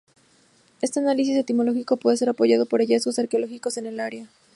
Este análisis etimológico puede ser apoyado por hallazgos arqueológicos en el área.